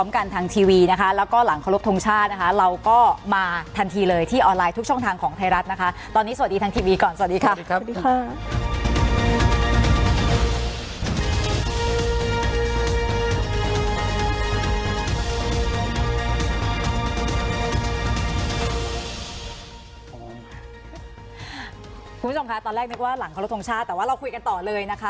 คุณผู้ชมคะตอนแรกนึกว่าหลังเคารพทงชาติแต่ว่าเราคุยกันต่อเลยนะคะ